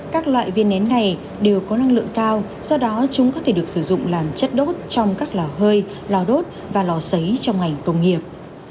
các loại viên nén này đều có năng lượng cao do đó chúng có thể được sử dụng làm chất đốt trong các lò hơi lò đốt và lò xấy trong ngành công nghiệp